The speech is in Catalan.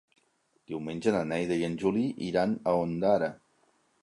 Diumenge na Neida i en Juli iran a Ondara.